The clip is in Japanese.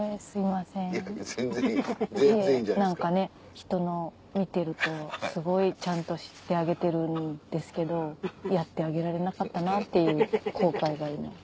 ひとの見てるとすごいちゃんとしてあげてるんですけどやってあげられなかったなっていう後悔が。